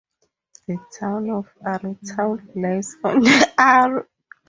The town of Arrowtown lies on the Arrow.